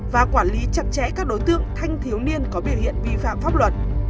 và quản lý chặt chẽ các đối tượng thanh thiếu niên có biểu hiện vi phạm pháp luật